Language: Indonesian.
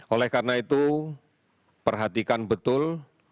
oleh karena itu perhatikan betul